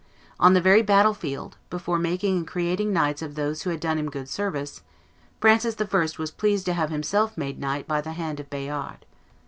On the very battle field, "before making and creating knights of those who had done him good service, Francis I. was pleased to have himself made knight by the hand of Bayard.